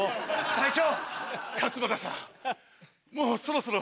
隊長！